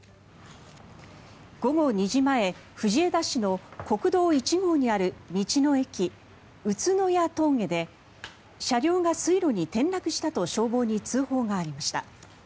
午後２時前藤枝市の国道１号にある道の駅で車両が車両に転落したと消防に通報がありました。